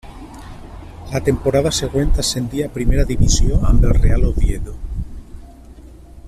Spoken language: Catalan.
La temporada següent ascendí a primera divisió amb el Real Oviedo.